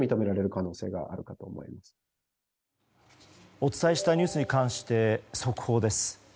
お伝えしたニュースに関して速報です。